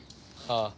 ああ。